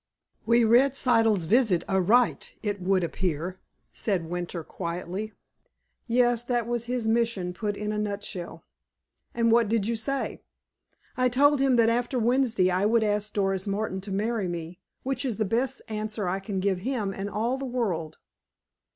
_ "We read Siddle's visit aright, it would appear," said Winter quietly. "Yes. That was his mission, put in a nutshell." "And what did you say?" "I told him that, after Wednesday, I would ask Doris Martin to marry me, which is the best answer I can give him and all the world."